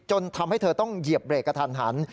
ทำให้เธอต้องเหยียบเบรกกระทันหัน